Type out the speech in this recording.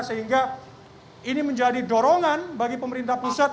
sehingga ini menjadi dorongan bagi pemerintah pusat